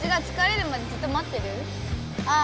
ああ。